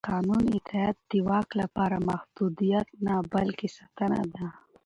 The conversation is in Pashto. د قانون اطاعت د واک لپاره محدودیت نه بلکې ساتنه ده